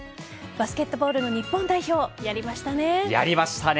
バスケットボールの日本代表やりましたね。